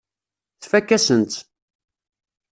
Tfakk-asen-tt.